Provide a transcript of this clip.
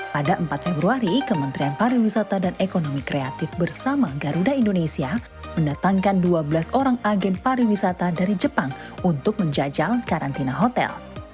pada empat februari kementerian pariwisata dan ekonomi kreatif bersama garuda indonesia mendatangkan dua belas orang agen pariwisata dari jepang untuk menjajal karantina hotel